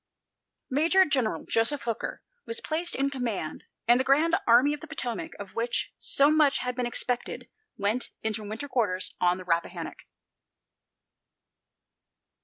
Major General Joseph Hooker was placed in command, and the Grand Army of the Potomac, of which so much had been expected, went into winter quarters on the Rappahannock.